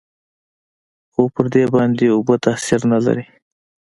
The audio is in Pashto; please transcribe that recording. خو پر دې باندې اوبه تاثير نه لري.